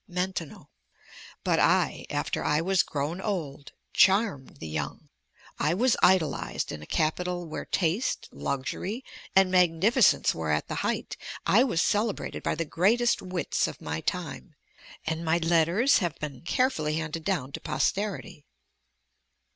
Maintenon But I, after I was grown old, charmed the young; I was idolized in a capital where taste, luxury, and magnificence were at the height; I was celebrated by the greatest wits of my time, and my letters have been carefully handed down to posterity.